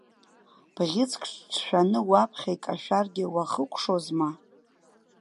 Бӷьыцк ҿшәаны уаԥхьа икашәаргьы уахыкәшозма!